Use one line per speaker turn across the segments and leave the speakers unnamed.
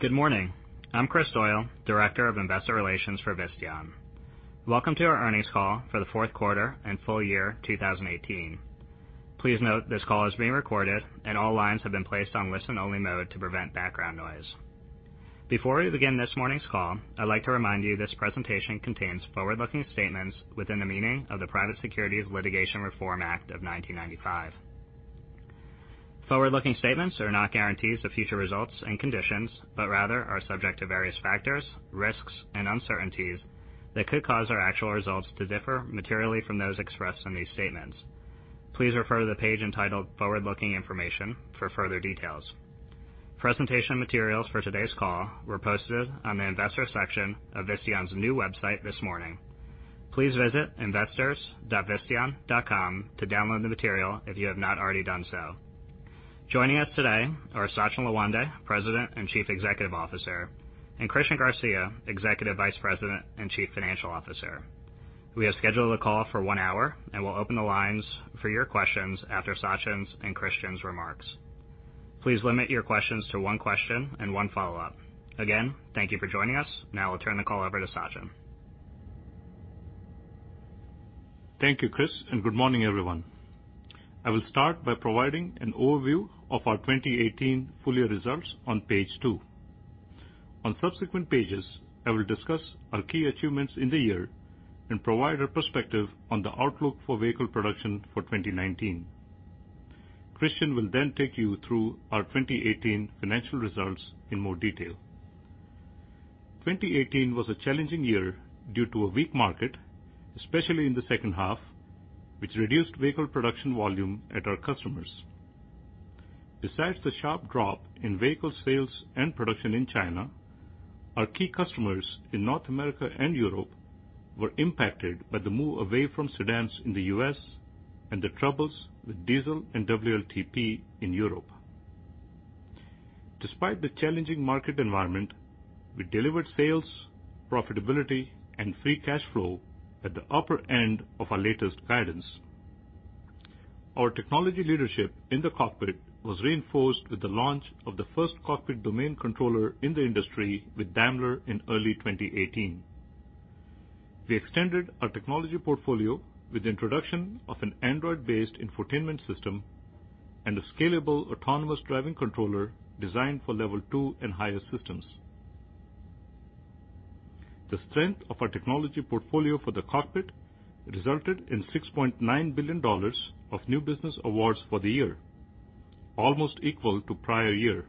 Good morning. I'm Kris Doyle, Director of Investor Relations for Visteon. Welcome to our earnings call for the fourth quarter and full year 2018. Please note this call is being recorded and all lines have been placed on listen-only mode to prevent background noise. Before we begin this morning's call, I'd like to remind you this presentation contains forward-looking statements within the meaning of the Private Securities Litigation Reform Act of 1995. Forward-looking statements are not guarantees of future results and conditions, but rather are subject to various factors, risks, and uncertainties that could cause our actual results to differ materially from those expressed in these statements. Please refer to the page entitled Forward-Looking Information for further details. Presentation materials for today's call were posted on the investor section of Visteon's new website this morning. Please visit investors.visteon.com to download the material if you have not already done so. Joining us today are Sachin Lawande, President and Chief Executive Officer, and Christian Garcia, Executive Vice President and Chief Financial Officer. We have scheduled the call for one hour and will open the lines for your questions after Sachin's and Christian's remarks. Please limit your questions to one question and one follow-up. Again, thank you for joining us. I'll turn the call over to Sachin.
Thank you, Chris. Good morning, everyone. I will start by providing an overview of our 2018 full year results on page two. On subsequent pages, I will discuss our key achievements in the year and provide a perspective on the outlook for vehicle production for 2019. Christian will take you through our 2018 financial results in more detail. 2018 was a challenging year due to a weak market, especially in the second half, which reduced vehicle production volume at our customers. Besides the sharp drop in vehicle sales and production in China, our key customers in North America and Europe were impacted by the move away from sedans in the U.S. and the troubles with diesel and WLTP in Europe. Despite the challenging market environment, we delivered sales, profitability, and free cash flow at the upper end of our latest guidance. Our technology leadership in the cockpit was reinforced with the launch of the first cockpit domain controller in the industry with Daimler in early 2018. We extended our technology portfolio with the introduction of an Android-based infotainment system and a scalable autonomous driving controller designed for level 2 and higher systems. The strength of our technology portfolio for the cockpit resulted in $6.9 billion of new business awards for the year, almost equal to prior year.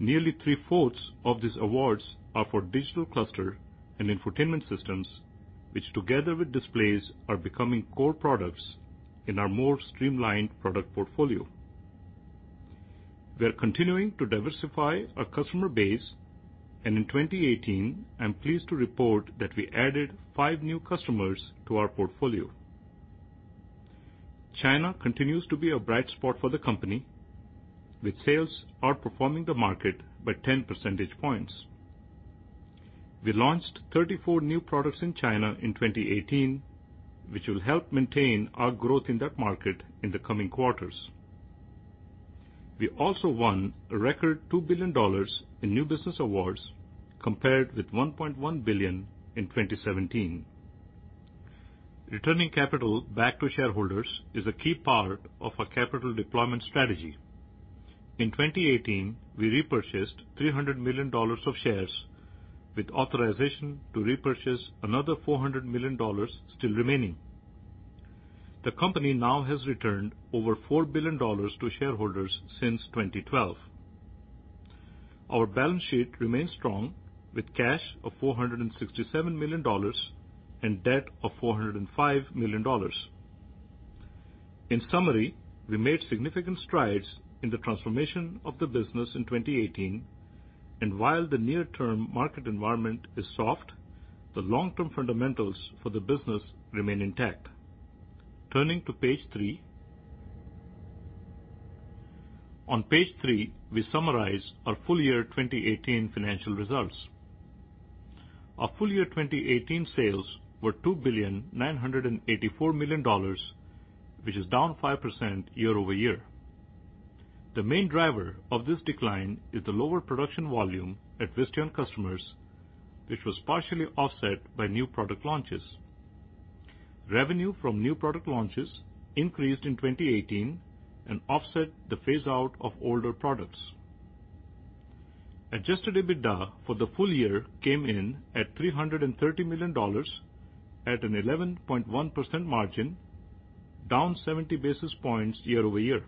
Nearly three-fourths of these awards are for digital cluster and infotainment systems, which together with displays, are becoming core products in our more streamlined product portfolio. We are continuing to diversify our customer base, and in 2018, I'm pleased to report that we added five new customers to our portfolio. China continues to be a bright spot for the company, with sales outperforming the market by 10 percentage points. We launched 34 new products in China in 2018, which will help maintain our growth in that market in the coming quarters. We also won a record $2 billion in new business awards compared with $1.1 billion in 2017. Returning capital back to shareholders is a key part of our capital deployment strategy. In 2018, we repurchased $300 million of shares with authorization to repurchase another $400 million still remaining. The company now has returned over $4 billion to shareholders since 2012. Our balance sheet remains strong with cash of $467 million and debt of $405 million. In summary, we made significant strides in the transformation of the business in 2018, while the near-term market environment is soft, the long-term fundamentals for the business remain intact. Turning to page three. On page three, we summarize our full year 2018 financial results. Our full year 2018 sales were $2,984,000,000, which is down 5% year-over-year. The main driver of this decline is the lower production volume at Visteon customers, which was partially offset by new product launches. Revenue from new product launches increased in 2018 and offset the phaseout of older products. Adjusted EBITDA for the full year came in at $330 million at an 11.1% margin, down 70 basis points year-over-year.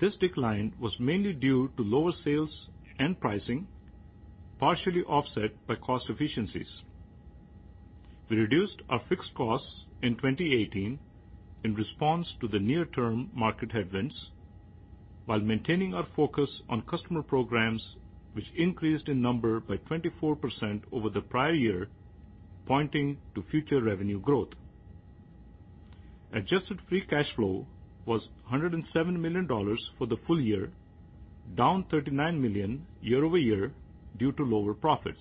This decline was mainly due to lower sales and pricing, partially offset by cost efficiencies. We reduced our fixed costs in 2018 in response to the near-term market headwinds while maintaining our focus on customer programs, which increased in number by 24% over the prior year, pointing to future revenue growth. Adjusted free cash flow was $107 million for the full year, down $39 million year-over-year due to lower profits.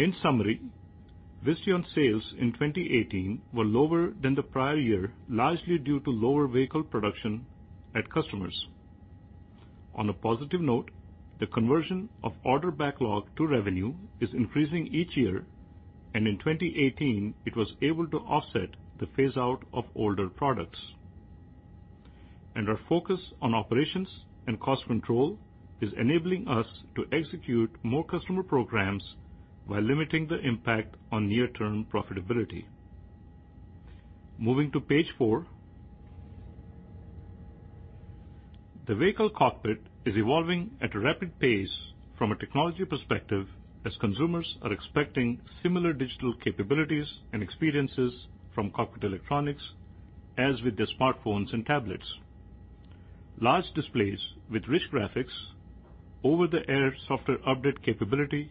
In summary, Visteon sales in 2018 were lower than the prior year, largely due to lower vehicle production at customers. On a positive note, the conversion of order backlog to revenue is increasing each year, and in 2018 it was able to offset the phase-out of older products. Our focus on operations and cost control is enabling us to execute more customer programs while limiting the impact on near-term profitability. Moving to page four. The vehicle cockpit is evolving at a rapid pace from a technology perspective as consumers are expecting similar digital capabilities and experiences from cockpit electronics as with their smartphones and tablets. Large displays with rich graphics, over-the-air software update capability,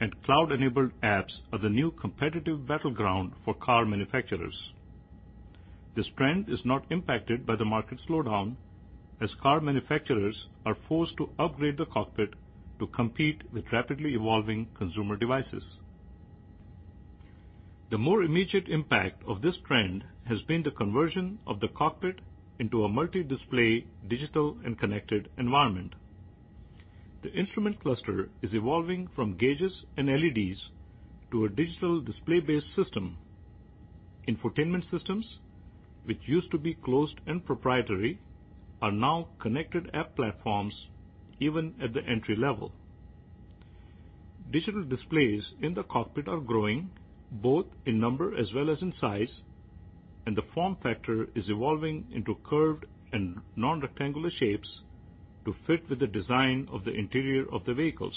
and cloud-enabled apps are the new competitive battleground for car manufacturers. This trend is not impacted by the market slowdown as car manufacturers are forced to upgrade the cockpit to compete with rapidly evolving consumer devices. The more immediate impact of this trend has been the conversion of the cockpit into a multi-display digital and connected environment. The instrument cluster is evolving from gauges and LEDs to a digital display-based system. Infotainment systems, which used to be closed and proprietary, are now connected app platforms even at the entry level. Digital displays in the cockpit are growing both in number as well as in size, and the form factor is evolving into curved and non-rectangular shapes to fit with the design of the interior of the vehicles.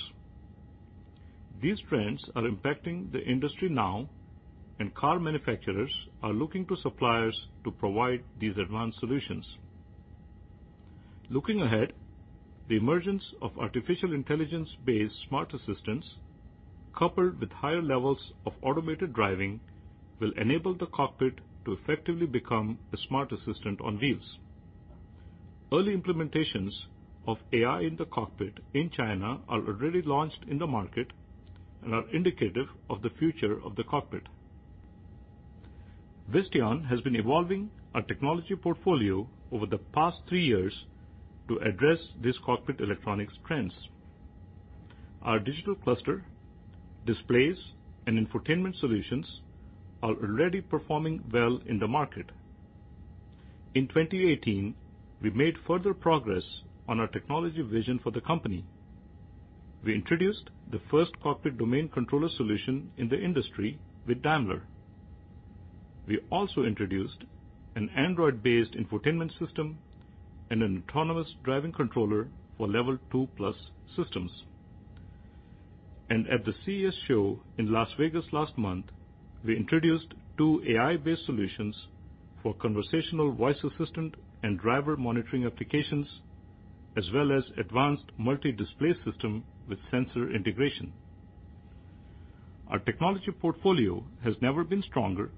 These trends are impacting the industry now and car manufacturers are looking to suppliers to provide these advanced solutions. Looking ahead, the emergence of artificial intelligence-based smart assistants, coupled with higher levels of automated driving, will enable the cockpit to effectively become a smart assistant on wheels. Early implementations of AI in the cockpit in China are already launched in the market and are indicative of the future of the cockpit. Visteon has been evolving our technology portfolio over the past three years to address these cockpit electronics trends. Our digital cluster displays and infotainment solutions are already performing well in the market. In 2018, we made further progress on our technology vision for the company. We introduced the first cockpit domain controller solution in the industry with Daimler. We also introduced an Android-based infotainment system and an autonomous driving controller for level 2 plus systems. At the CES show in Las Vegas last month, we introduced two AI-based solutions for conversational voice assistant and driver monitoring applications, as well as advanced multi-display system with sensor integration. Our technology portfolio has never been stronger,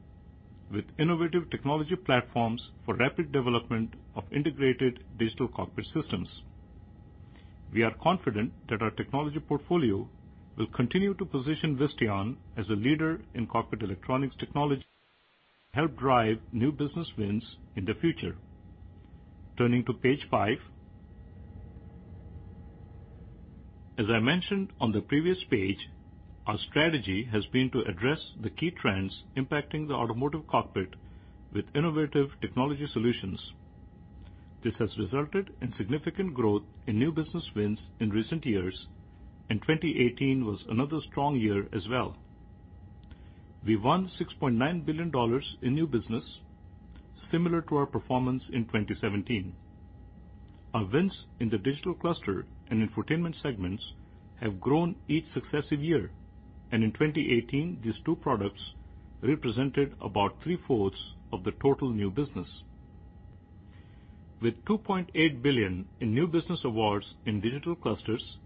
with innovative technology platforms for rapid development of integrated digital cockpit systems. We are confident that our technology portfolio will continue to position Visteon as a leader in cockpit electronics technology, help drive new business wins in the future. Turning to page five. As I mentioned on the previous page, our strategy has been to address the key trends impacting the automotive cockpit with innovative technology solutions. This has resulted in significant growth in new business wins in recent years, and 2018 was another strong year as well. We won $6.9 billion in new business, similar to our performance in 2017. Our wins in the digital cluster and infotainment segments have grown each successive year, and in 2018, these two products represented about three-fourths of the total new business. With $2.8 billion in new business awards in digital clusters,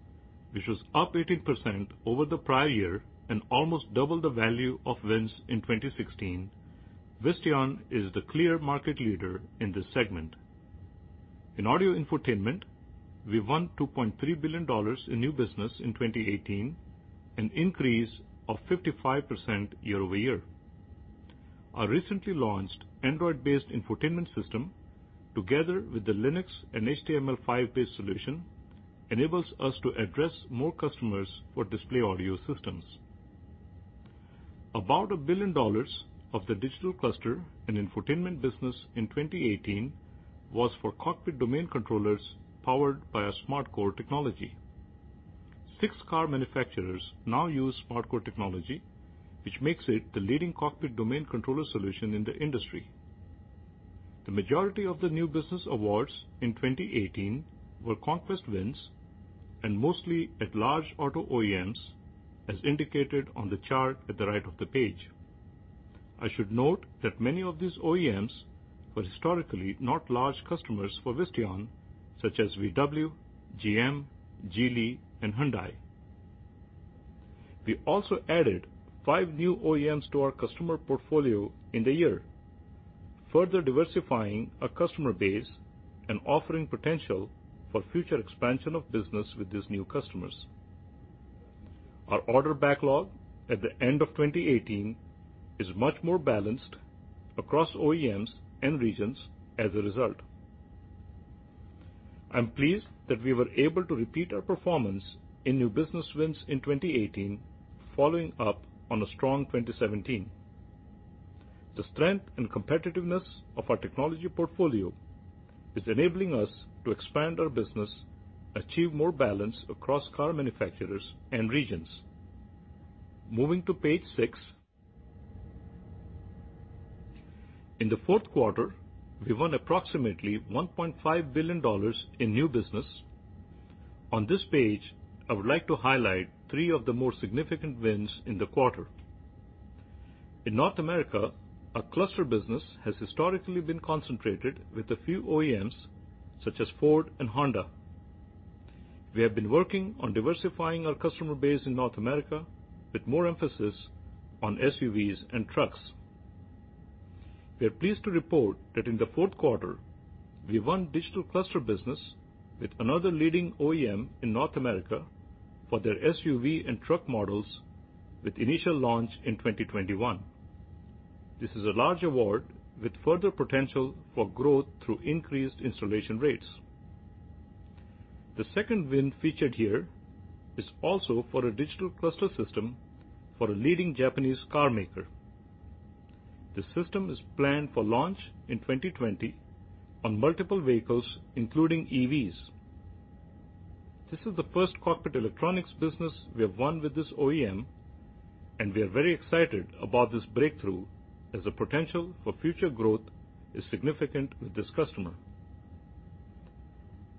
which was up 18% over the prior year and almost double the value of wins in 2016, Visteon is the clear market leader in this segment. In audio infotainment, we won $2.3 billion in new business in 2018, an increase of 55% year-over-year. Our recently launched Android-based infotainment system, together with the Linux and HTML5-based solution, enables us to address more customers for display audio systems. About $1 billion of the digital cluster and infotainment business in 2018 was for cockpit domain controllers powered by our SmartCore technology. Six car manufacturers now use SmartCore technology, which makes it the leading cockpit domain controller solution in the industry. The majority of the new business awards in 2018 were conquest wins and mostly at large auto OEMs, as indicated on the chart at the right of the page. I should note that many of these OEMs were historically not large customers for Visteon, such as VW, GM, Geely, and Hyundai. We also added five new OEMs to our customer portfolio in the year, further diversifying our customer base and offering potential for future expansion of business with these new customers. Our order backlog at the end of 2018 is much more balanced across OEMs and regions as a result. I'm pleased that we were able to repeat our performance in new business wins in 2018, following up on a strong 2017. The strength and competitiveness of our technology portfolio is enabling us to expand our business, achieve more balance across car manufacturers and regions. Moving to page six. In the fourth quarter, we won approximately $1.5 billion in new business. On this page, I would like to highlight three of the more significant wins in the quarter. In North America, our cluster business has historically been concentrated with a few OEMs, such as Ford and Honda. We have been working on diversifying our customer base in North America with more emphasis on SUVs and trucks. We are pleased to report that in the fourth quarter, we won digital cluster business with another leading OEM in North America for their SUV and truck models with initial launch in 2021. This is a large award with further potential for growth through increased installation rates. The second win featured here is also for a digital cluster system for a leading Japanese car maker. This system is planned for launch in 2020 on multiple vehicles, including EVs. This is the first cockpit electronics business we have won with this OEM, and we are very excited about this breakthrough as the potential for future growth is significant with this customer.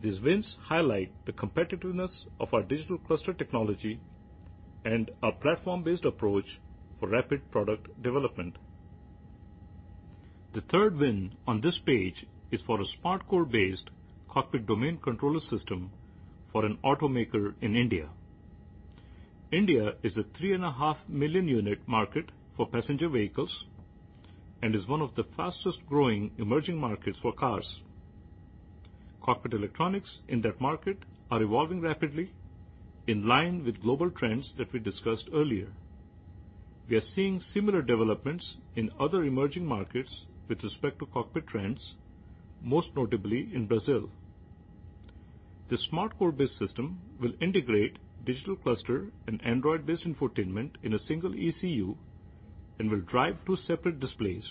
These wins highlight the competitiveness of our digital cluster technology and our platform-based approach for rapid product development. The third win on this page is for a SmartCore-based cockpit domain controller system for an automaker in India. India is a three and a half million unit market for passenger vehicles and is one of the fastest-growing emerging markets for cars. Cockpit electronics in that market are evolving rapidly in line with global trends that we discussed earlier. We are seeing similar developments in other emerging markets with respect to cockpit trends, most notably in Brazil. The SmartCore-based system will integrate digital cluster and Android-based infotainment in a single ECU and will drive two separate displays,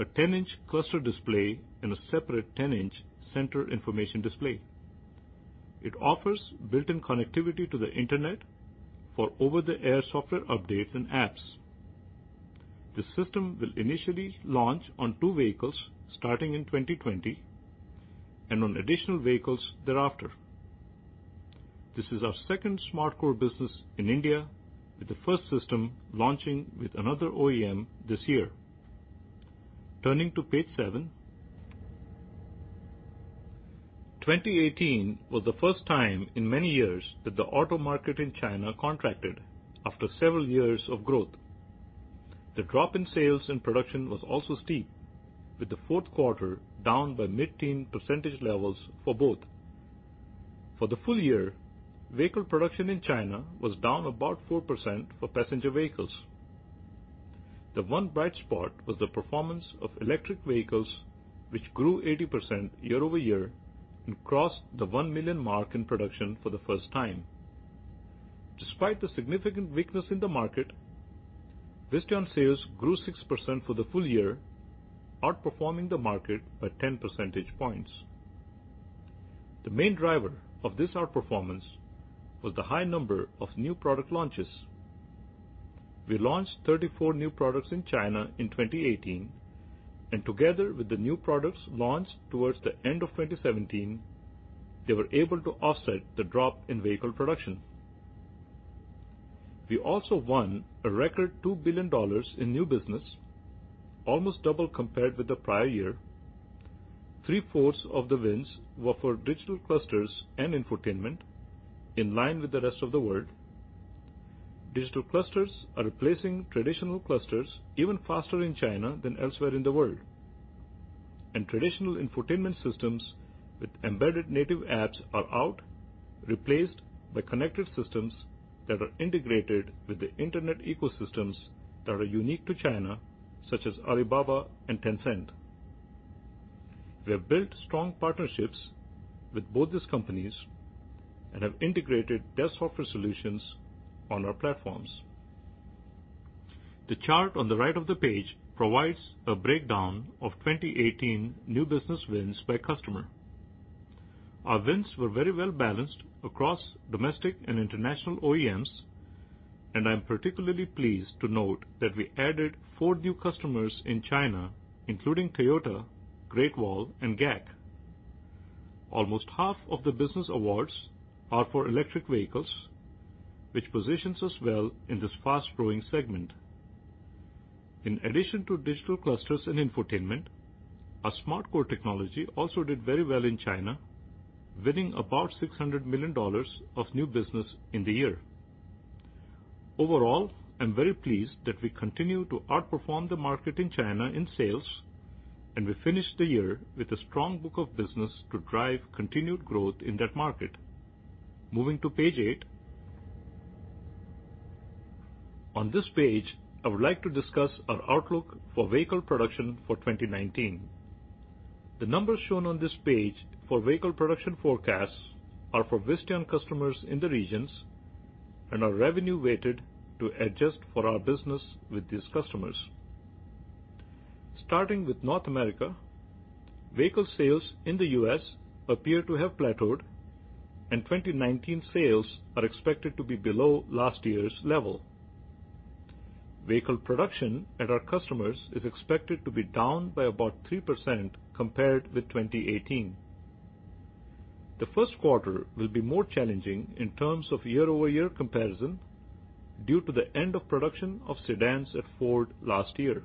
a 10-inch cluster display and a separate 10-inch center information display. It offers built-in connectivity to the internet for over-the-air software updates and apps. This system will initially launch on two vehicles starting in 2020 and on additional vehicles thereafter. This is our second SmartCore business in India, with the first system launching with another OEM this year. Turning to page seven. 2018 was the first time in many years that the auto market in China contracted after several years of growth. The drop in sales and production was also steep, with the fourth quarter down by mid-teen percentage levels for both. For the full year, vehicle production in China was down about 4% for passenger vehicles. The one bright spot was the performance of electric vehicles, which grew 80% year-over-year and crossed the 1 million mark in production for the first time. Despite the significant weakness in the market, Visteon sales grew 6% for the full year, outperforming the market by 10 percentage points. The main driver of this outperformance was the high number of new product launches. We launched 34 new products in China in 2018, and together with the new products launched towards the end of 2017, they were able to offset the drop in vehicle production. We also won a record $2 billion in new business, almost double compared with the prior year. Three-fourths of the wins were for digital clusters and infotainment, in line with the rest of the world. Digital clusters are replacing traditional clusters even faster in China than elsewhere in the world. Traditional infotainment systems with embedded native apps are out, replaced by connected systems that are integrated with the internet ecosystems that are unique to China, such as Alibaba and Tencent. We have built strong partnerships with both these companies and have integrated their software solutions on our platforms. The chart on the right of the page provides a breakdown of 2018 new business wins by customer. Our wins were very well-balanced across domestic and international OEMs. I'm particularly pleased to note that we added four new customers in China, including Toyota, Great Wall, and GAC. Almost half of the business awards are for electric vehicles, which positions us well in this fast-growing segment. In addition to digital clusters and infotainment, our SmartCore technology also did very well in China, winning about $600 million of new business in the year. I'm very pleased that we continue to outperform the market in China in sales. We finished the year with a strong book of business to drive continued growth in that market. Moving to page eight. On this page, I would like to discuss our outlook for vehicle production for 2019. The numbers shown on this page for vehicle production forecasts are for Visteon customers in the regions and are revenue-weighted to adjust for our business with these customers. Starting with North America, vehicle sales in the U.S. appear to have plateaued. 2019 sales are expected to be below last year's level. Vehicle production at our customers is expected to be down by about 3% compared with 2018. The first quarter will be more challenging in terms of year-over-year comparison due to the end of production of sedans at Ford last year.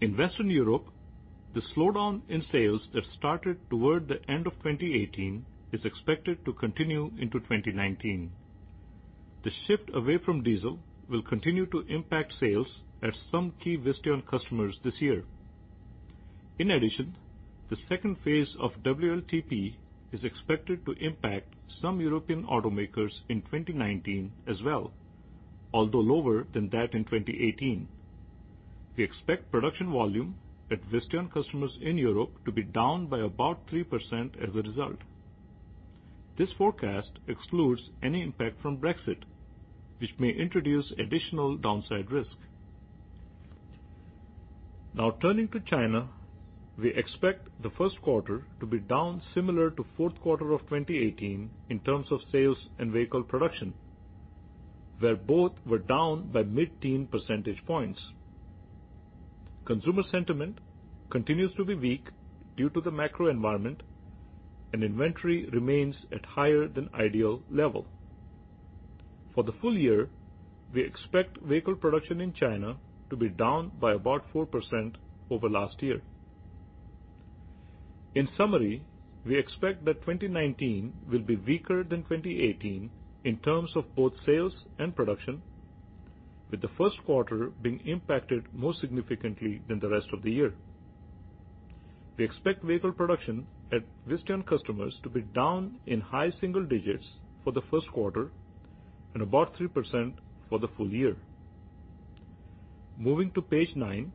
In Western Europe, the slowdown in sales that started toward the end of 2018 is expected to continue into 2019. The shift away from diesel will continue to impact sales at some key Visteon customers this year. In addition, the second phase of WLTP is expected to impact some European automakers in 2019 as well, although lower than that in 2018. We expect production volume at Visteon customers in Europe to be down by about 3% as a result. This forecast excludes any impact from Brexit, which may introduce additional downside risk. Turning to China, we expect the first quarter to be down similar to fourth quarter of 2018 in terms of sales and vehicle production, where both were down by mid-teen percentage points. Consumer sentiment continues to be weak due to the macro environment. Inventory remains at higher than ideal level. For the full year, we expect vehicle production in China to be down by about 4% over last year. We expect that 2019 will be weaker than 2018 in terms of both sales and production, with the first quarter being impacted more significantly than the rest of the year. We expect vehicle production at Visteon customers to be down in high single digits for the first quarter and about 3% for the full year. Moving to page nine.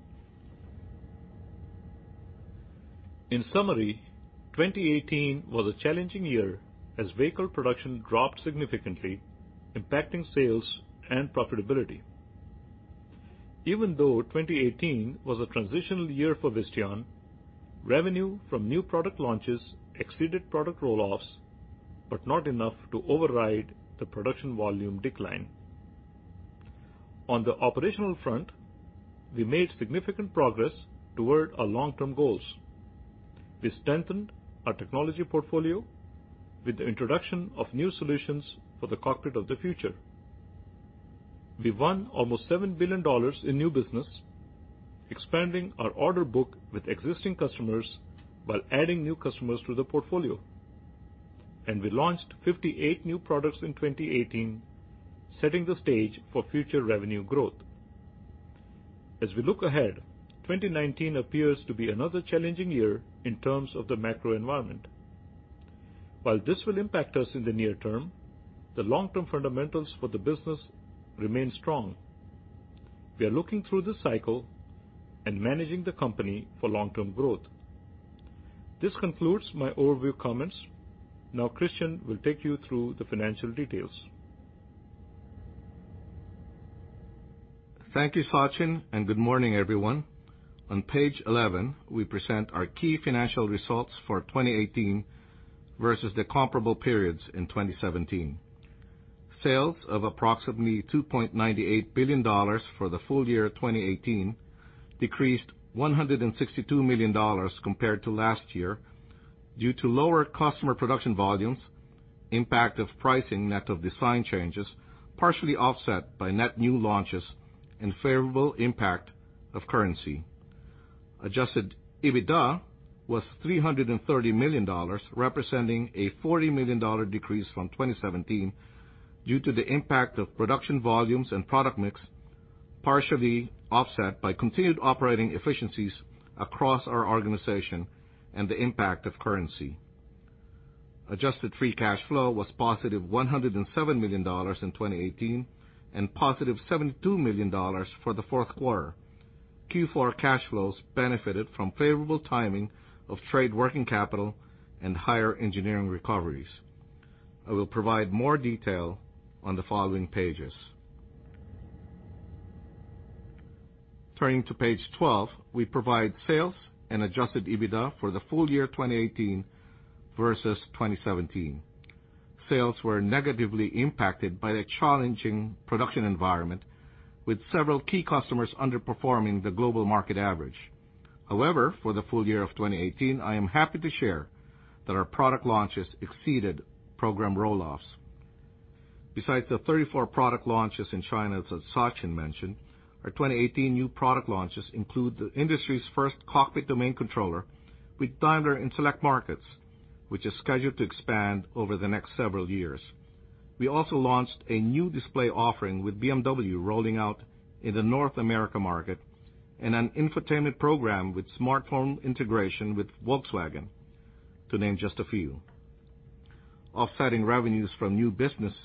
2018 was a challenging year as vehicle production dropped significantly, impacting sales and profitability. Even though 2018 was a transitional year for Visteon, revenue from new product launches exceeded product roll-offs, but not enough to override the production volume decline. On the operational front, we made significant progress toward our long-term goals. We strengthened our technology portfolio with the introduction of new solutions for the cockpit of the future. We won almost $7 billion in new business, expanding our order book with existing customers while adding new customers to the portfolio. We launched 58 new products in 2018, setting the stage for future revenue growth. As we look ahead, 2019 appears to be another challenging year in terms of the macro environment. While this will impact us in the near term, the long-term fundamentals for the business remain strong. We are looking through this cycle and managing the company for long-term growth. This concludes my overview comments. Christian will take you through the financial details.
Thank you, Sachin, and good morning, everyone. On page 11, we present our key financial results for 2018 versus the comparable periods in 2017. Sales of approximately $2.98 billion for the full year 2018 decreased $162 million compared to last year due to lower customer production volumes, impact of pricing net of design changes, partially offset by net new launches and favorable impact of currency. Adjusted EBITDA was $330 million, representing a $40 million decrease from 2017 due to the impact of production volumes and product mix, partially offset by continued operating efficiencies across our organization and the impact of currency. Adjusted free cash flow was positive $107 million in 2018 and positive $72 million for the fourth quarter. Q4 cash flows benefited from favorable timing of trade working capital and higher engineering recoveries. I will provide more detail on the following pages. Turning to page 12, we provide sales and adjusted EBITDA for the full year 2018 versus 2017. Sales were negatively impacted by the challenging production environment with several key customers underperforming the global market average. However, for the full year of 2018, I am happy to share that our product launches exceeded program roll-offs. Besides the 34 product launches in China that Sachin mentioned, our 2018 new product launches include the industry's first cockpit domain controller with Daimler in select markets. Which is scheduled to expand over the next several years. We also launched a new display offering with BMW rolling out in the North America market, and an infotainment program with smartphone integration with Volkswagen, to name just a few. Offsetting revenues from new business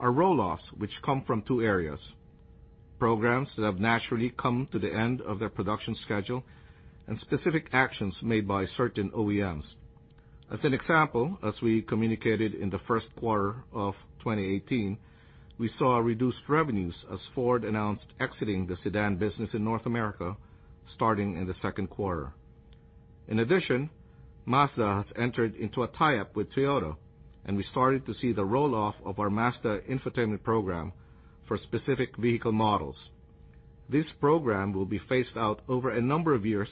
are roll-offs, which come from two areas: programs that have naturally come to the end of their production schedule, and specific actions made by certain OEMs. As an example, as we communicated in the first quarter of 2018, we saw reduced revenues as Ford announced exiting the sedan business in North America starting in the second quarter. In addition, Mazda has entered into a tie-up with Toyota, and we started to see the roll-off of our Mazda infotainment program for specific vehicle models. This program will be phased out over a number of years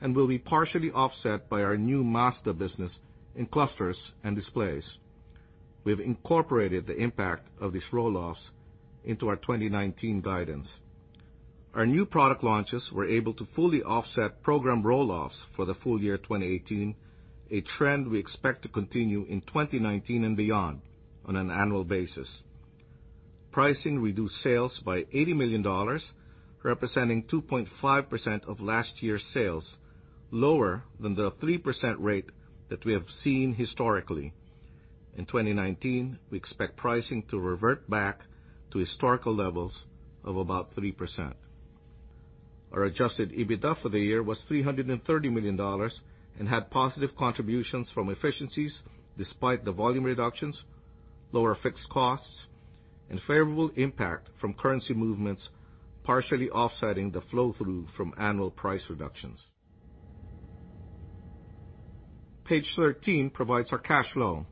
and will be partially offset by our new Mazda business in clusters and displays. We have incorporated the impact of these roll-offs into our 2019 guidance. Our new product launches were able to fully offset program roll-offs for the full year 2018, a trend we expect to continue in 2019 and beyond on an annual basis. Pricing reduced sales by $80 million, representing 2.5% of last year's sales, lower than the 3% rate that we have seen historically. In 2019, we expect pricing to revert back to historical levels of about 3%. Our adjusted EBITDA for the year was $330 million and had positive contributions from efficiencies despite the volume reductions, lower fixed costs, and favorable impact from currency movements, partially offsetting the flow-through from annual price reductions. Page 13 provides our cash flow.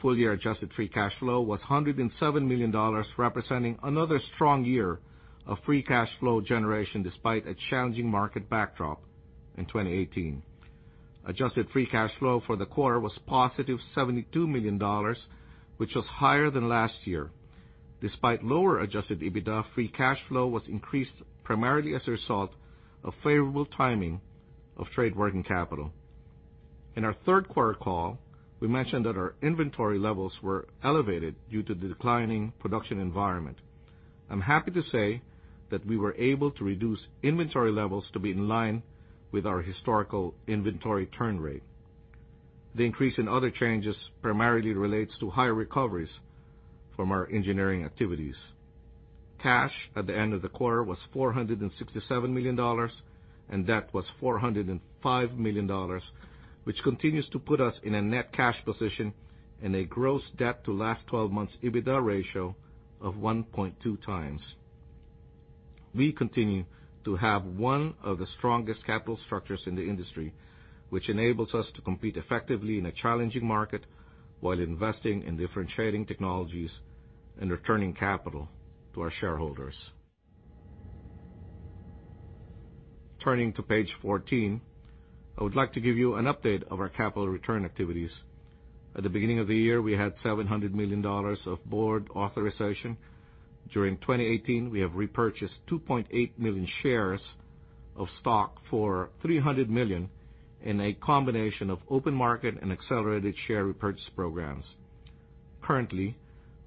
Full-year adjusted free cash flow was $107 million, representing another strong year of free cash flow generation despite a challenging market backdrop in 2018. Adjusted free cash flow for the quarter was positive $72 million, which was higher than last year. Despite lower adjusted EBITDA, free cash flow was increased primarily as a result of favorable timing of trade working capital. In our third quarter call, we mentioned that our inventory levels were elevated due to the declining production environment. I'm happy to say that we were able to reduce inventory levels to be in line with our historical inventory turn rate. The increase in other changes primarily relates to higher recoveries from our engineering activities. Cash at the end of the quarter was $467 million, and debt was $405 million, which continues to put us in a net cash position and a gross debt to last 12 months EBITDA ratio of 1.2 times. We continue to have one of the strongest capital structures in the industry, which enables us to compete effectively in a challenging market while investing in differentiating technologies and returning capital to our shareholders. Turning to page 14, I would like to give you an update of our capital return activities. At the beginning of the year, we had $700 million of board authorization. During 2018, we have repurchased 2.8 million shares of stock for $300 million in a combination of open market and accelerated share repurchase programs. Currently,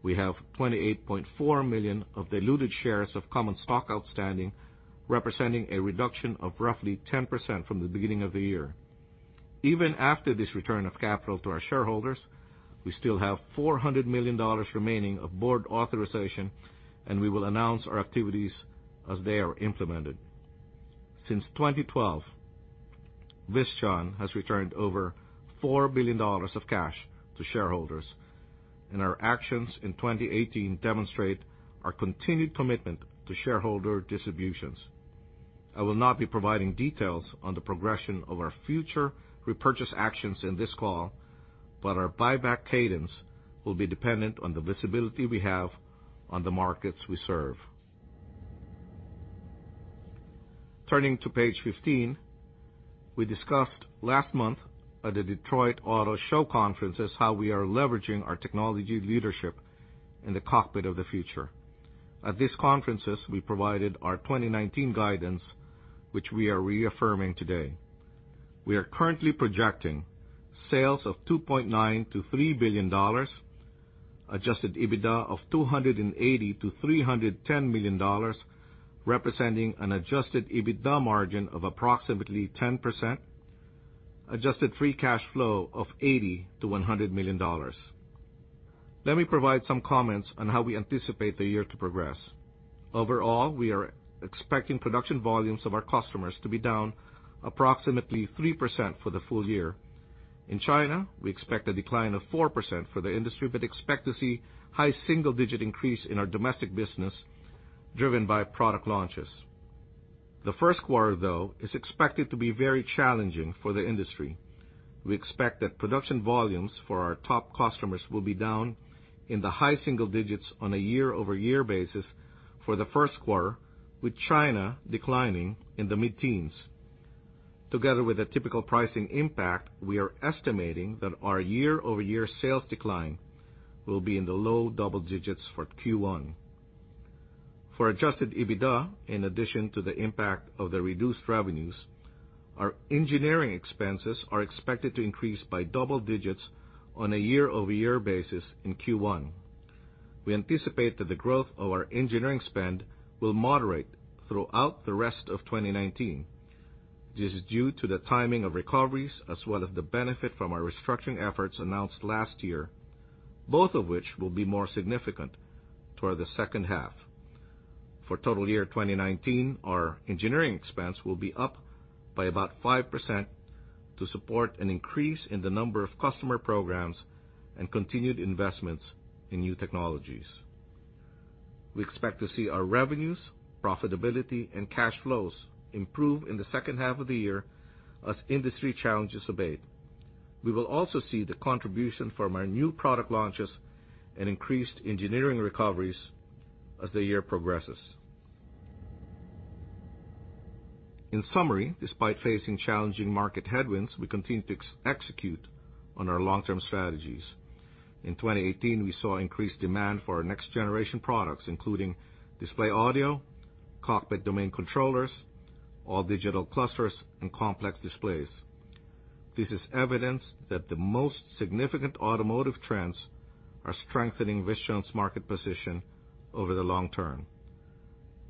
we have 28.4 million of diluted shares of common stock outstanding, representing a reduction of roughly 10% from the beginning of the year. Even after this return of capital to our shareholders, we still have $400 million remaining of board authorization, and we will announce our activities as they are implemented. Since 2012, Visteon has returned over $4 billion of cash to shareholders, and our actions in 2018 demonstrate our continued commitment to shareholder distributions. I will not be providing details on the progression of our future repurchase actions in this call, but our buyback cadence will be dependent on the visibility we have on the markets we serve. Turning to page 15. We discussed last month at the Detroit Auto Show conferences how we are leveraging our technology leadership in the cockpit of the future. At these conferences, we provided our 2019 guidance, which we are reaffirming today. We are currently projecting sales of $2.9 billion-$3 billion, adjusted EBITDA of $280 million-$310 million, representing an adjusted EBITDA margin of approximately 10%, adjusted free cash flow of $80 million-$100 million. Let me provide some comments on how we anticipate the year to progress. Overall, we are expecting production volumes of our customers to be down approximately 3% for the full year. In China, we expect a decline of 4% for the industry, but expect to see high single-digit increase in our domestic business driven by product launches. The first quarter, though, is expected to be very challenging for the industry. We expect that production volumes for our top customers will be down in the high single digits on a year-over-year basis for the first quarter, with China declining in the mid-teens. Together with a typical pricing impact, we are estimating that our year-over-year sales decline will be in the low double digits for Q1. For adjusted EBITDA, in addition to the impact of the reduced revenues, our engineering expenses are expected to increase by double digits on a year-over-year basis in Q1. We anticipate that the growth of our engineering spend will moderate throughout the rest of 2019. This is due to the timing of recoveries, as well as the benefit from our restructuring efforts announced last year, both of which will be more significant toward the second half. For total year 2019, our engineering expense will be up by about 5% to support an increase in the number of customer programs and continued investments in new technologies. We expect to see our revenues, profitability, and cash flows improve in the second half of the year as industry challenges abate. We will also see the contribution from our new product launches and increased engineering recoveries as the year progresses. In summary, despite facing challenging market headwinds, we continue to execute on our long-term strategies. In 2018, we saw increased demand for our next-generation products, including display audio, cockpit domain controllers, all digital clusters, and complex displays. This is evidence that the most significant automotive trends are strengthening Visteon's market position over the long term.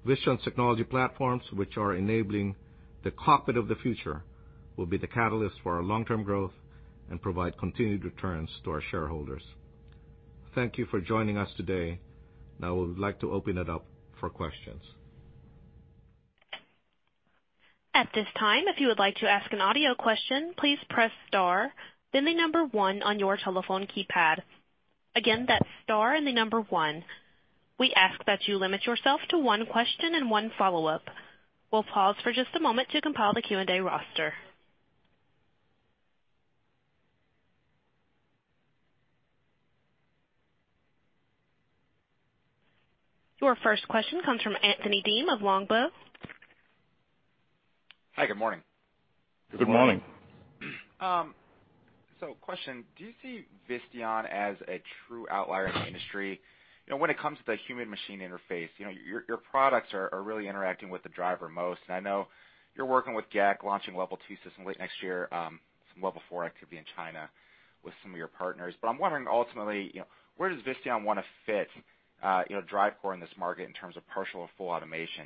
Visteon's technology platforms, which are enabling the cockpit of the future, will be the catalyst for our long-term growth and provide continued returns to our shareholders. Thank you for joining us today. We would like to open it up for questions.
At this time, if you would like to ask an audio question, please press star, then the number one on your telephone keypad. Again, that's star and the number one. We ask that you limit yourself to one question and one follow-up. We will pause for just a moment to compile the Q&A roster. Your first question comes from Anthony Deem of Longbow.
Hi, good morning.
Good morning.
Question, do you see Visteon as a true outlier in the industry? When it comes to the human machine interface, your products are really interacting with the driver most, and I know you're working with GAC, launching level 2 system late next year, some level 4 activity in China with some of your partners. I'm wondering, ultimately, where does Visteon want to fit DriveCore in this market in terms of partial or full automation?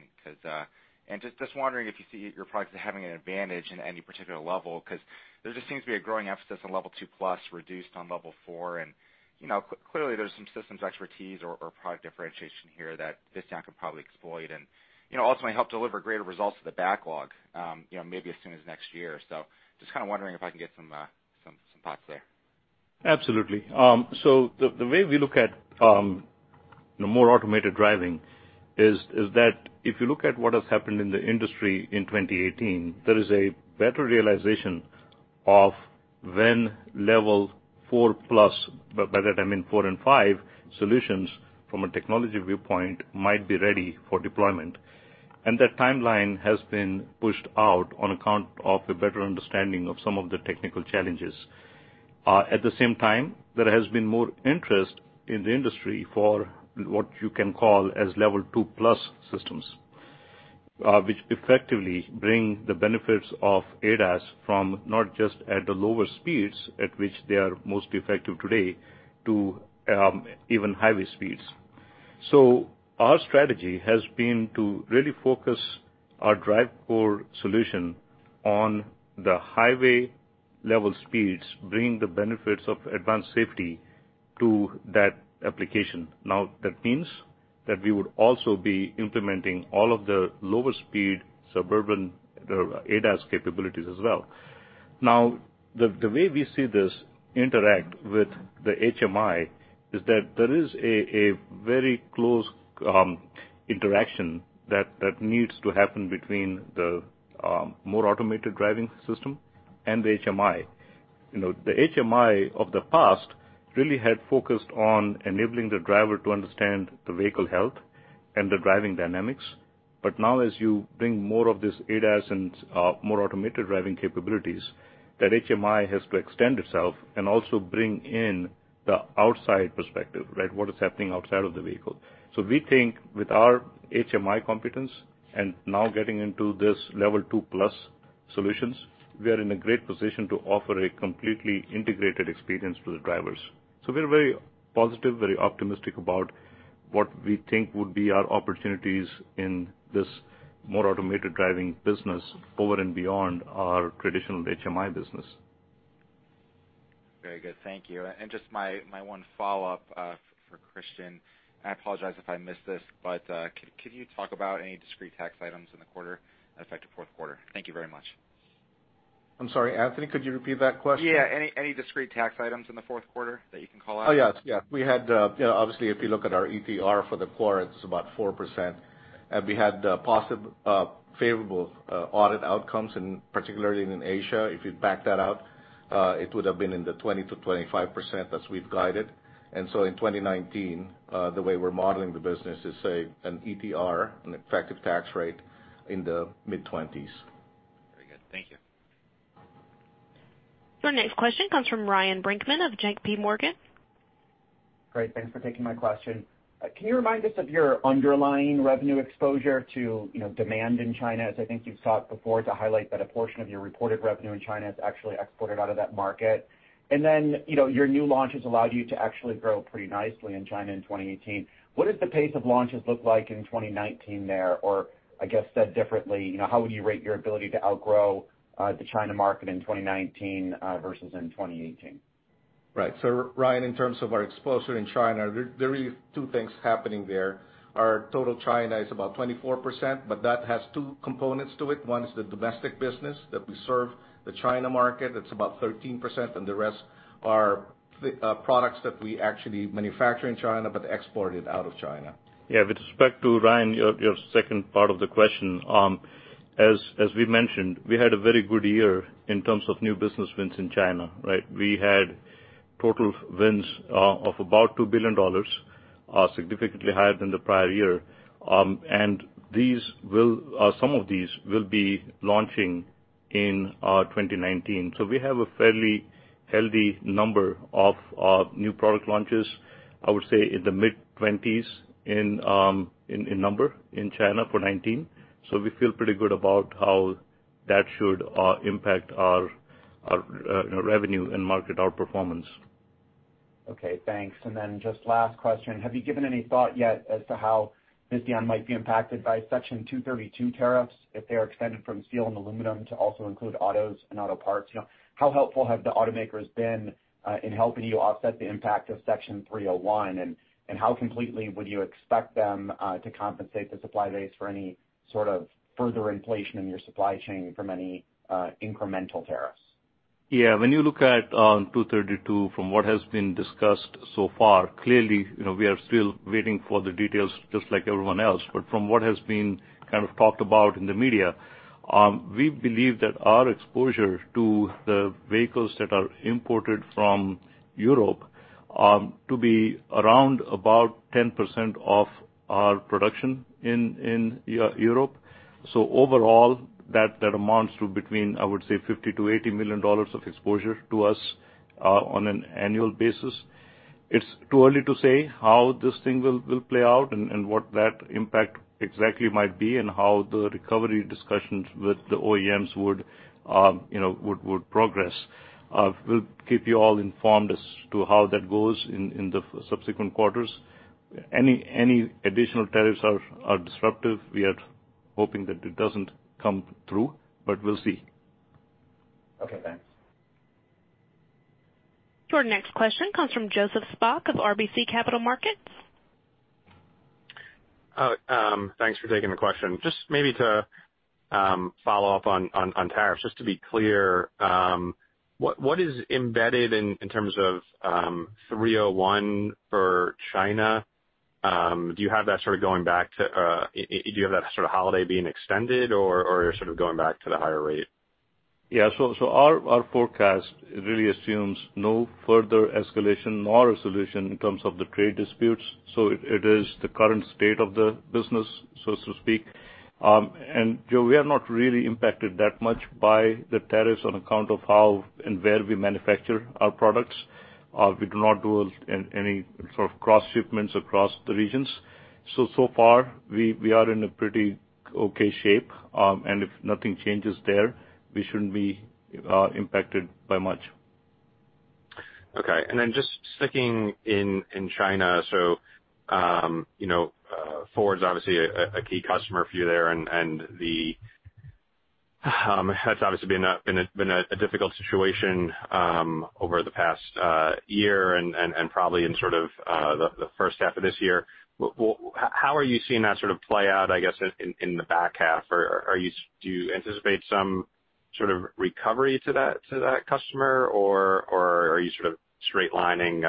Just wondering if you see your products having an advantage in any particular level, because there just seems to be a growing emphasis on level 2 plus reduced on level 4, and clearly, there's some systems expertise or product differentiation here that Visteon could probably exploit and ultimately help deliver greater results to the backlog maybe as soon as next year. Just kind of wondering if I can get some thoughts there.
Absolutely. The way we look at more automated driving is that if you look at what has happened in the industry in 2018, there is a better realization of when level 4 plus, by that I mean 4 and 5 solutions from a technology viewpoint might be ready for deployment, and that timeline has been pushed out on account of a better understanding of some of the technical challenges. At the same time, there has been more interest in the industry for what you can call as level 2 plus systems, which effectively bring the benefits of ADAS from not just at the lower speeds at which they are most effective today to even highway speeds. Our strategy has been to really focus our DriveCore solution on the highway level speeds, bringing the benefits of advanced safety to that application. That means that we would also be implementing all of the lower speed suburban ADAS capabilities as well. The way we see this interact with the HMI is that there is a very close interaction that needs to happen between the more automated driving system and the HMI. The HMI of the past really had focused on enabling the driver to understand the vehicle health and the driving dynamics. Now as you bring more of this ADAS and more automated driving capabilities, that HMI has to extend itself and also bring in the outside perspective, right? What is happening outside of the vehicle. We think with our HMI competence and now getting into this level 2 plus solutions, we are in a great position to offer a completely integrated experience to the drivers. We're very positive, very optimistic about what we think would be our opportunities in this more automated driving business forward and beyond our traditional HMI business.
Very good. Thank you. Just my one follow-up for Christian, I apologize if I missed this, could you talk about any discrete tax items in the quarter, effective fourth quarter? Thank you very much.
I'm sorry, Anthony, could you repeat that question?
Yeah. Any discrete tax items in the fourth quarter that you can call out?
Oh, yes. We had, obviously, if you look at our ETR for the quarter, it's about 4%. We had favorable audit outcomes, particularly in Asia. If you back that out, it would have been in the 20%-25% as we've guided. In 2019, the way we're modeling the business is, say, an ETR, an effective tax rate in the mid-20s.
Very good. Thank you.
Your next question comes from Ryan Brinkman of JPMorgan.
Thanks for taking my question. Can you remind us of your underlying revenue exposure to demand in China, as I think you've talked before to highlight that a portion of your reported revenue in China is actually exported out of that market? Your new launches allowed you to actually grow pretty nicely in China in 2018. What does the pace of launches look like in 2019 there? I guess, said differently, how would you rate your ability to outgrow the China market in 2019 versus in 2018?
Right. Ryan, in terms of our exposure in China, there are really two things happening there. Our total China is about 24%, but that has two components to it. One is the domestic business that we serve the China market. That's about 13%, the rest are products that we actually manufacture in China but exported out of China.
Yeah. With respect to Ryan, your second part of the question, as we mentioned, we had a very good year in terms of new business wins in China. We had total wins of about $2 billion, significantly higher than the prior year. Some of these will be launching in 2019. We have a fairly healthy number of new product launches, I would say in the mid-twenties in number in China for 2019. We feel pretty good about how that should impact our revenue and market outperformance.
Okay, thanks. Just last question. Have you given any thought yet as to how Visteon might be impacted by Section 232 tariffs if they are extended from steel and aluminum to also include autos and auto parts? How helpful have the automakers been in helping you offset the impact of Section 301, how completely would you expect them to compensate the supply base for any sort of further inflation in your supply chain from any incremental tariffs?
Yeah. When you look at 232 from what has been discussed so far, clearly, we are still waiting for the details just like everyone else. From what has been kind of talked about in the media, we believe that our exposure to the vehicles that are imported from Europe to be around about 10% of our production in Europe. Overall, that amounts to between, I would say, $50 million-$80 million of exposure to us on an annual basis. It's too early to say how this thing will play out and what that impact exactly might be and how the recovery discussions with the OEMs would progress. We'll keep you all informed as to how that goes in the subsequent quarters. Any additional tariffs are disruptive. We are hoping that it doesn't come through, but we'll see.
Okay. Thanks.
Your next question comes from Joseph Spak of RBC Capital Markets.
Thanks for taking the question. Just maybe to follow up on tariffs, just to be clear, what is embedded in terms of 301 for China? Do you have that sort of holiday being extended, or you're sort of going back to the higher rate?
Yeah. Our forecast really assumes no further escalation nor a solution in terms of the trade disputes. It is the current state of the business, so to speak. Joe, we are not really impacted that much by the tariffs on account of how and where we manufacture our products. We do not do any sort of cross-shipments across the regions. So far we are in a pretty okay shape. If nothing changes there, we shouldn't be impacted by much.
Okay. Just sticking in China. Ford's obviously a key customer for you there, and that's obviously been a difficult situation over the past year and probably in sort of the first half of this year. How are you seeing that sort of play out, I guess, in the back half? Do you anticipate some sort of recovery to that customer, or are you sort of straight lining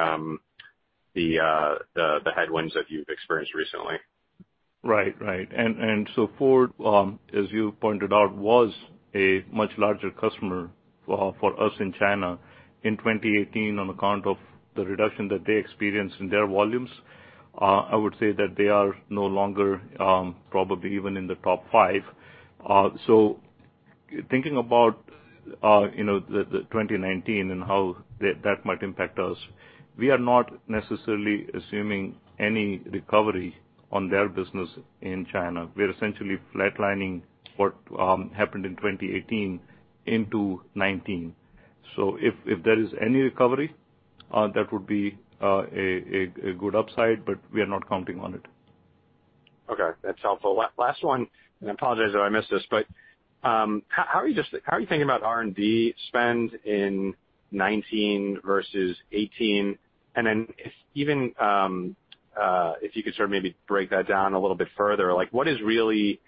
the headwinds that you've experienced recently?
Right. Ford, as you pointed out, was a much larger customer for us in China. In 2018, on account of the reduction that they experienced in their volumes, I would say that they are no longer probably even in the top five. Thinking about 2019 and how that might impact us, we are not necessarily assuming any recovery on their business in China. We are essentially flatlining what happened in 2018 into 2019. If there is any recovery, that would be a good upside, but we are not counting on it.
Okay. That's helpful. Last one, and I apologize if I missed this, but how are you thinking about R&D spend in 2019 versus 2018? If you could sort of maybe break that down a little bit further, like what is really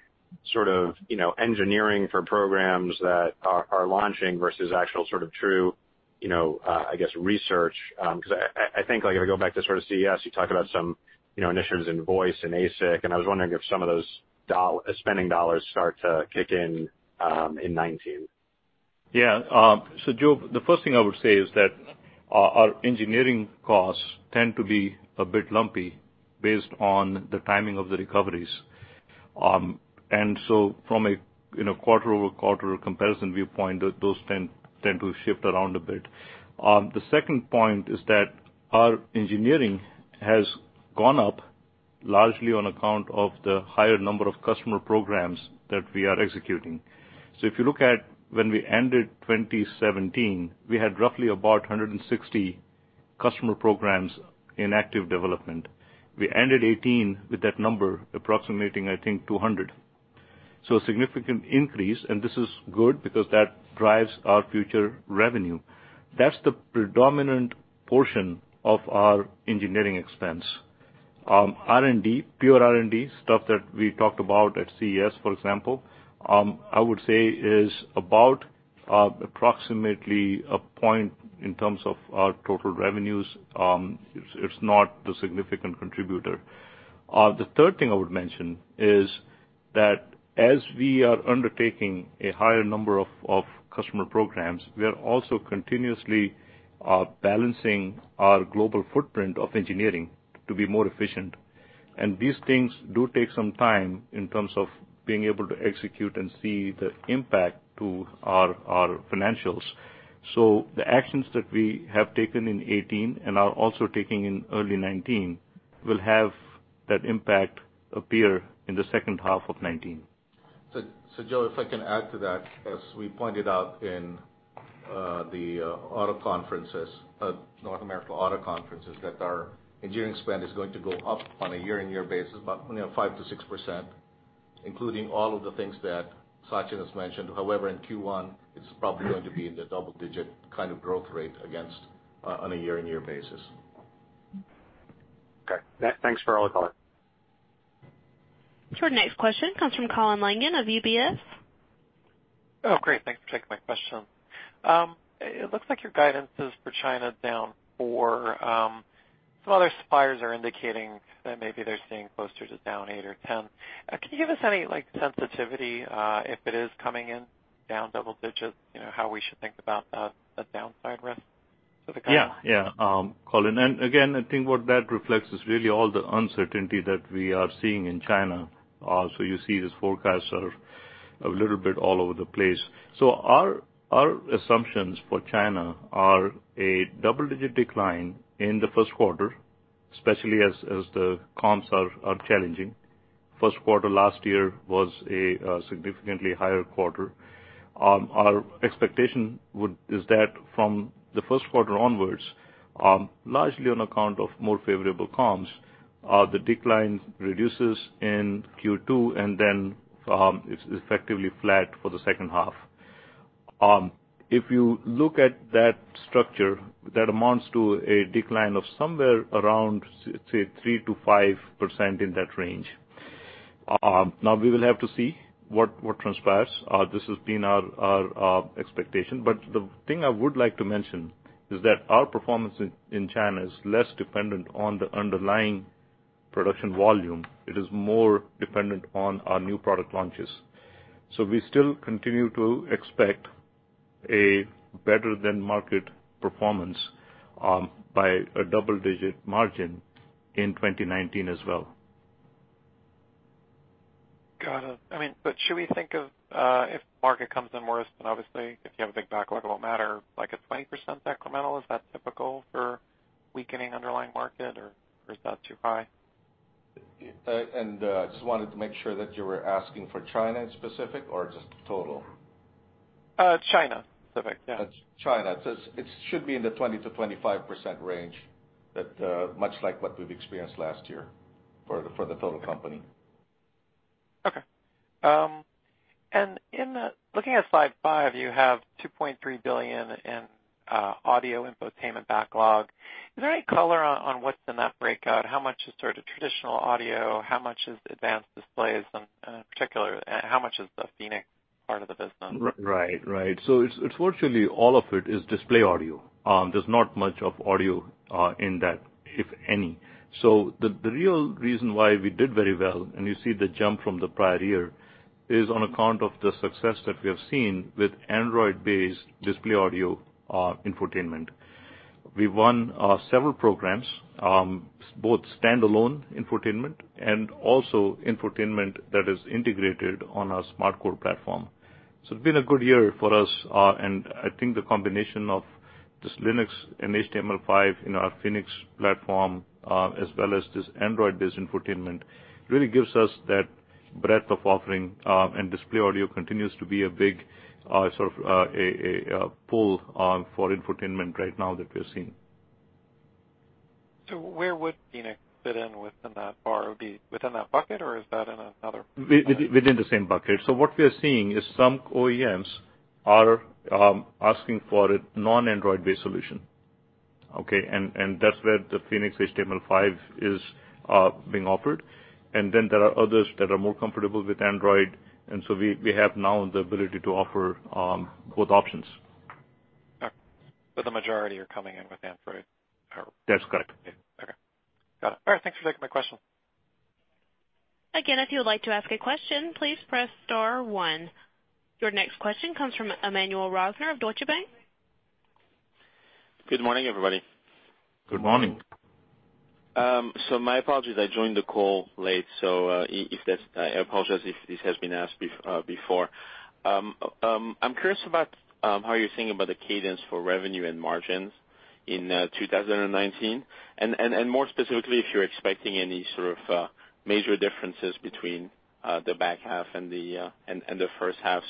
sort of engineering for programs that are launching versus actual sort of true I guess research? Because I think if I go back to sort of CES, you talked about some initiatives in voice and ASIC, and I was wondering if some of those spending dollars start to kick in in 2019.
Joe, the first thing I would say is that our engineering costs tend to be a bit lumpy based on the timing of the recoveries. From a quarter-over-quarter comparison viewpoint, those tend to shift around a bit. The second point is that our engineering has gone up largely on account of the higher number of customer programs that we are executing. If you look at when we ended 2017, we had roughly about 160 customer programs in active development. We ended 2018 with that number approximating, I think, 200. A significant increase, and this is good because that drives our future revenue. That's the predominant portion of our engineering expense. R&D, pure R&D stuff that we talked about at CES, for example, I would say is about approximately a point in terms of our total revenues. It's not the significant contributor. The third thing I would mention is that as we are undertaking a higher number of customer programs, we are also continuously balancing our global footprint of engineering to be more efficient, and these things do take some time in terms of being able to execute and see the impact to our financials. The actions that we have taken in 2018 and are also taking in early 2019 will have that impact appear in the second half of 2019.
Joe, if I can add to that, as we pointed out in the auto conferences, North American auto conferences, that our engineering spend is going to go up on a year-on-year basis, about 5%-6%, including all of the things that Sachin has mentioned. However, in Q1, it's probably going to be in the double-digit kind of growth rate against on a year-on-year basis.
Okay. Thanks for all the color.
Our next question comes from Colin Langan of UBS.
Great. Thanks for taking my question. It looks like your guidance is for China down 4. Some other suppliers are indicating that maybe they're seeing closer to down 8 or 10. Can you give us any sensitivity if it is coming in down double digits, how we should think about that, the downside risk for the company?
Yeah, Colin. Again, I think what that reflects is really all the uncertainty that we are seeing in China. You see these forecasts are a little bit all over the place. Our assumptions for China are a double-digit decline in the first quarter, especially as the comps are challenging. First quarter last year was a significantly higher quarter. Our expectation is that from the first quarter onwards, largely on account of more favorable comps, the decline reduces in Q2 and then it's effectively flat for the second half. If you look at that structure, that amounts to a decline of somewhere around, say, 3%-5% in that range. Now we will have to see what transpires. This has been our expectation, but the thing I would like to mention is that our performance in China is less dependent on the underlying production volume. It is more dependent on our new product launches. We still continue to expect a better-than-market performance by a double-digit margin in 2019 as well.
Got it. Should we think of, if market comes in worse than obviously, if you have a big backlog, it won't matter, like a 20% incremental, is that typical for weakening underlying market, or is that too high?
I just wanted to make sure that you were asking for China in specific or just total?
China specific, yeah.
China. It should be in the 20%-25% range, much like what we've experienced last year for the total company.
Okay. Looking at slide five, you have $2.3 billion in audio infotainment backlog. Is there any color on what's in that breakout? How much is sort of traditional audio? How much is advanced displays? And in particular, how much is the Phoenix part of the business?
Right. Unfortunately, all of it is display audio. There's not much of audio in that, if any. The real reason why we did very well, and you see the jump from the prior year, is on account of the success that we have seen with Android-based display audio infotainment. We won several programs, both standalone infotainment and also infotainment that is integrated on our SmartCore platform. It's been a good year for us, and I think the combination of this Linux and HTML5 in our Phoenix platform, as well as this Android-based infotainment, really gives us that breadth of offering, and display audio continues to be a big sort of pull for infotainment right now that we're seeing.
Where would Phoenix fit in within that? Would be within that bucket, or is that in another-
Within the same bucket. What we are seeing is some OEMs are asking for a non-Android-based solution. Okay? That's where the Phoenix HTML5 is being offered. Then there are others that are more comfortable with Android, we have now the ability to offer both options.
Okay. The majority are coming in with Android?
That's correct.
Okay. Got it. All right, thanks for taking my question.
Again, if you would like to ask a question, please press star one. Your next question comes from Emmanuel Rosner of Deutsche Bank.
Good morning, everybody.
Good morning.
My apologies, I joined the call late, I apologize if this has been asked before. I'm curious about how you're thinking about the cadence for revenue and margins in 2019, and more specifically, if you're expecting any sort of major differences between the back half and the first half.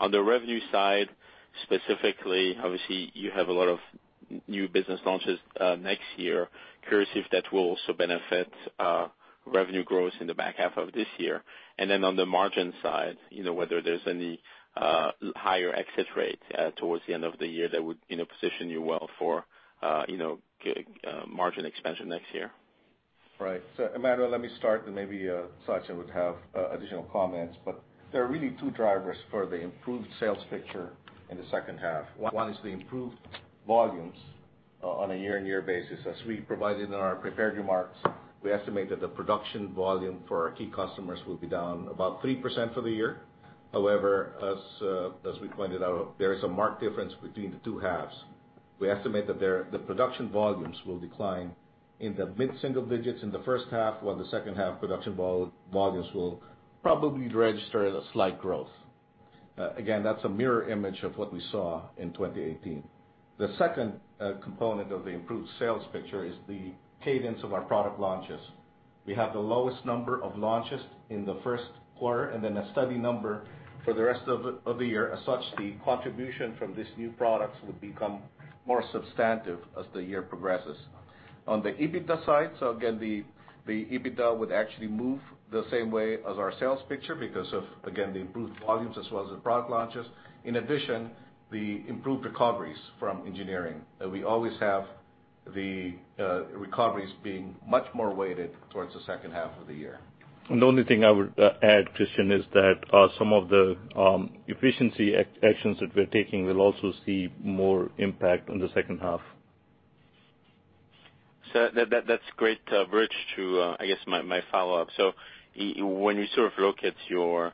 On the revenue side, specifically, obviously you have a lot of new business launches next year. Curious if that will also benefit revenue growth in the back half of this year. On the margin side, whether there's any higher exit rate towards the end of the year that would position you well for margin expansion next year.
Right. Emmanuel, let me start and maybe Sachin would have additional comments. There are really two drivers for the improved sales picture in the second half. One is the improved volumes on a year-on-year basis. As we provided in our prepared remarks, we estimate that the production volume for our key customers will be down about 3% for the year. However, as we pointed out, there is a marked difference between the two halves. We estimate that the production volumes will decline in the mid-single digits in the first half, while the second-half production volumes will probably register a slight growth. Again, that's a mirror image of what we saw in 2018. The second component of the improved sales picture is the cadence of our product launches. We have the lowest number of launches in the first quarter and then a steady number for the rest of the year. As such, the contribution from these new products will become more substantive as the year progresses. On the EBITDA side, again, the EBITDA would actually move the same way as our sales picture because of, again, the improved volumes as well as the product launches. In addition, the improved recoveries from engineering. We always have the recoveries being much more weighted towards the second half of the year.
The only thing I would add, Christian, is that some of the efficiency actions that we're taking will also see more impact on the second half.
That's great bridge to, I guess, my follow-up. When you sort of look at your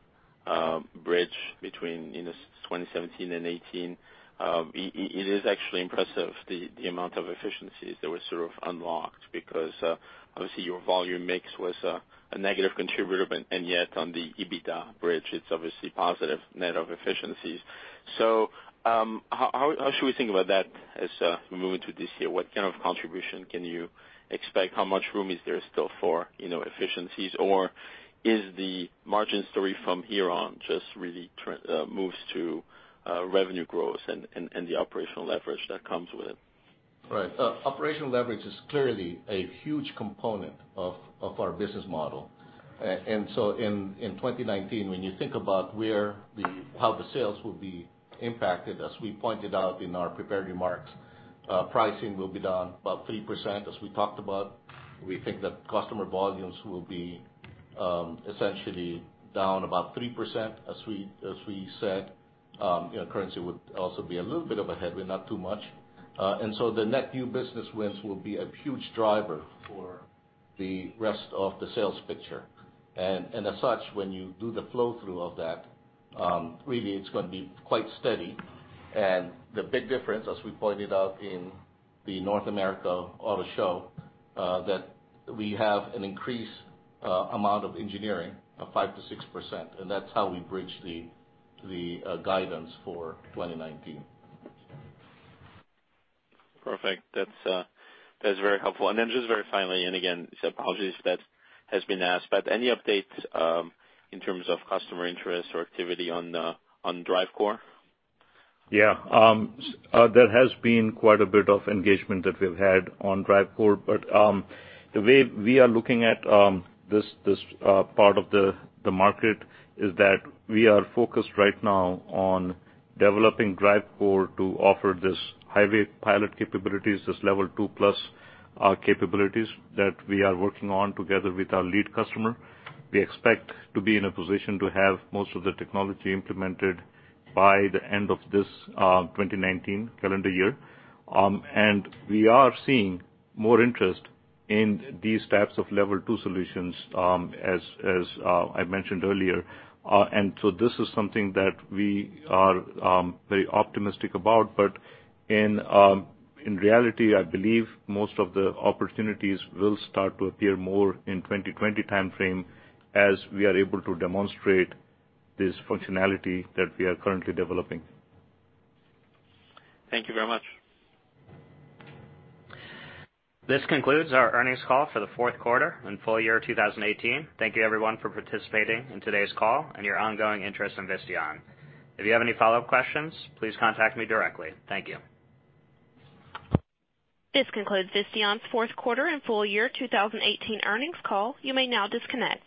bridge between 2017 and 2018, it is actually impressive the amount of efficiencies that were sort of unlocked, because obviously your volume mix was a negative contributor, and yet on the EBITDA bridge, it's obviously positive net of efficiencies. How should we think about that as we move into this year? What kind of contribution can you expect? How much room is there still for efficiencies? Is the margin story from here on just really moves to revenue growth and the operational leverage that comes with it?
Right. Operational leverage is clearly a huge component of our business model. In 2019, when you think about how the sales will be impacted, as we pointed out in our prepared remarks, pricing will be down about 3%, as we talked about. We think that customer volumes will be essentially down about 3%, as we said. Currency would also be a little bit of a headwind, not too much. The net new business wins will be a huge driver for the rest of the sales picture. As such, when you do the flow through of that, really, it's going to be quite steady. The big difference, as we pointed out in the North America Auto Show, that we have an increased amount of engineering of 5%-6%, and that's how we bridge the guidance for 2019.
Perfect. That's very helpful. Just very finally, apologies if that has been asked, any updates in terms of customer interest or activity on DriveCore?
Yeah. There has been quite a bit of engagement that we've had on DriveCore. The way we are looking at this part of the market is that we are focused right now on developing DriveCore to offer this highway pilot capabilities, this level 2 plus capabilities that we are working on together with our lead customer. We expect to be in a position to have most of the technology implemented by the end of this 2019 calendar year. We are seeing more interest in these types of level 2 solutions, as I mentioned earlier. This is something that we are very optimistic about, in reality, I believe most of the opportunities will start to appear more in 2020 timeframe as we are able to demonstrate this functionality that we are currently developing.
Thank you very much.
This concludes our earnings call for the fourth quarter and full year 2018. Thank you everyone for participating in today's call and your ongoing interest in Visteon. If you have any follow-up questions, please contact me directly. Thank you. This concludes Visteon's fourth quarter and full year 2018 earnings call. You may now disconnect.